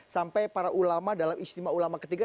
sampai para ulama dalam istimewa ulama ketiga